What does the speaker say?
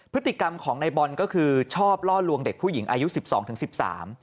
พฤติกรรมของในบอลก็คือชอบล่อลวงเด็กผู้หญิงอายุสิบสองถึงสิบสาม